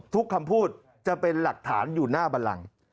คำพูดจะเป็นหลักฐานอยู่หน้าบันลัง